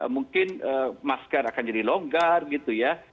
mungkin masker akan jadi longgar gitu ya